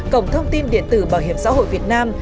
cổng thông tin điện tử bảo hiểm xã hội việt nam